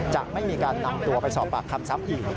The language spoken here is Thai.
จะไม่มีการนำตัวไปสอบปากคำซ้ำอีก